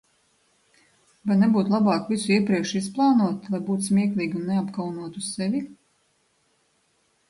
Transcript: Vai nebūtu labāk visu iepriekš izplānot, lai būtu smieklīgi un neapkaunotu sevi?